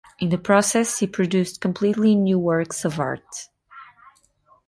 In the process he produced completely new works of art.